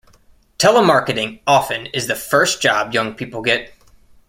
Telemarketing often is the first job young people get.